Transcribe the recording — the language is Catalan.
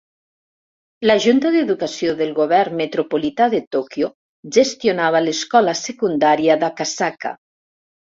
La Junta d'Educació del Govern Metropolità de Tòquio gestionava l'escola secundària d'Akasaka.